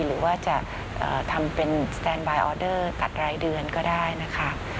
หรือว่าจะทำเป็นสแตนบายออเดอร์ตัดรายเดือนก็ได้นะคะ